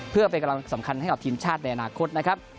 เพื่อเป็นกำลังสำคัญให้กับทีมชาติในอนาคตนะครับ